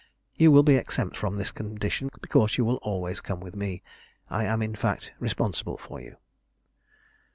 You will be exempt from this condition, because you will always come with me. I am, in fact, responsible for you."